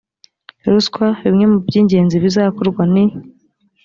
ruswa bimwe mu by ingenzi bizakorwa ni